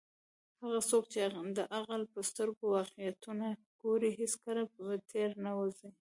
هغه څوک چې د عقل په سترګو واقعیتونه ګوري، هیڅکله به تیر نه وزي.